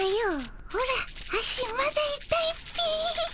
オラ足まだいたいっピィ。